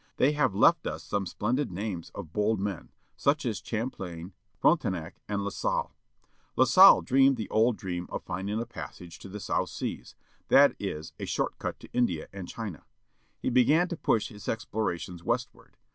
They have left us some splendid names of bold men, such as Champlain, Frontenac, and La Salle. La Salle dreamed the old dream of finding a passage to the South Seas, that is a short cut to India and China. He began to push his explorations westward.